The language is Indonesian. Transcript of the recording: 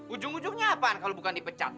ujung ujungnya apa kalau bukan dipecat